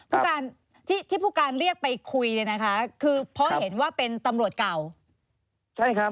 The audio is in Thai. ค่ะที่ผู้การเรียกไปคุยคือเพราะเห็นว่าเป็นตำรวจเก่า